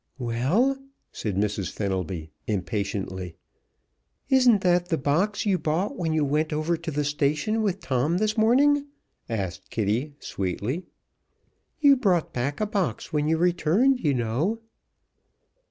"Well?" said Mrs. Fenelby, impatiently. "Isn't that the box you bought when you went over to the station with Tom this morning?" asked Kitty, sweetly. "You brought back a box when you returned you know."